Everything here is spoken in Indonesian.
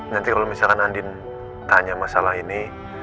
nanti kalau misalkan andin tanya masalah ini